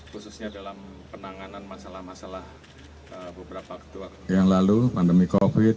khususnya dalam penanganan masalah masalah beberapa waktu yang lalu pandemi covid